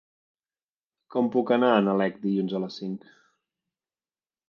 Com puc anar a Nalec dilluns a les cinc?